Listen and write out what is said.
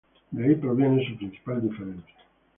De ahí proviene su principal diferencia.